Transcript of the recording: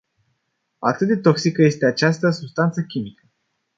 Atât de toxică este această substanță chimică.